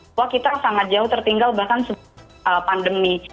bahwa kita sangat jauh tertinggal bahkan pandemi